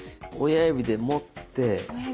親指で持って。